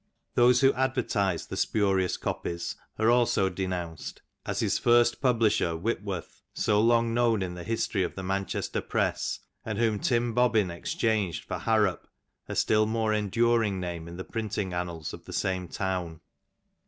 Those who advertised the spurious copies are also denounced, as his first publisher Whitworth, so long known in the history of the Man chester press, and whom Tim Bobbin exchanged for Harrop, a still more enduring name in the printing annals of the same town.